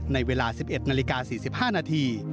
ในเวลา๑๑นาฬิกา๔๕นาที